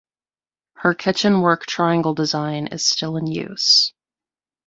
Her kitchen work triangle design is still in use.